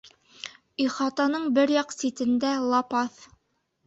Ихатаның бер яҡ ситендә - лапаҫ.